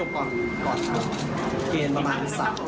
ก่อนเกณฑ์ประมาณ๓๔คน